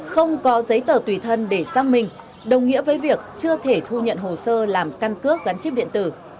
không có giấy tờ tùy thân để xác minh đồng nghĩa với việc chưa thể thu nhận hồ sơ làm căn cước gắn chip điện tử